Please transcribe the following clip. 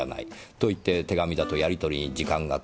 といって手紙だとやり取りに時間がかかり過ぎる。